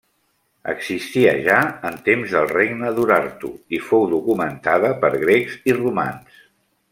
Existia ja en temps del regne d'Urartu i fou documentada per grecs i romans.